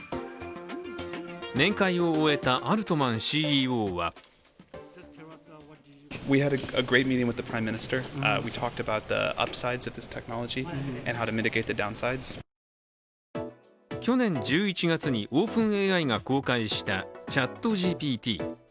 面会を終えたアルトマンＣＥＯは去年１１月にＯｐｅｎＡＩが公開したＣｈａｔＧＰＴ。